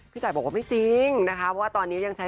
พี่ตายบอกว่าไม่จริงนะคะว่าตอนนี้ยังใช้